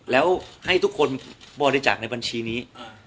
แล้วให้ทุกคนบริจาคในบัญชีนี้